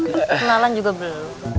kenalan juga belum